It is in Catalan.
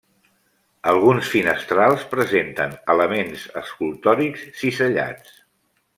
Alguns finestrals presenten elements escultòrics cisellats.